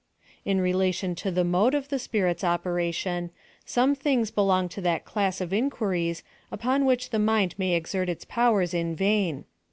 In relation to the mode of the Spirit's operation, some things belong to that class of inquiries upon which the mind may exert its powers in vain.